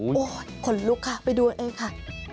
โอ้โหขนลุกค่ะไปดูเอาเองค่ะ